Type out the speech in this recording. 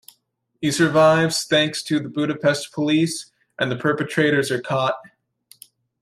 He survives thanks to the Budapest Police and the perpetrators are caught.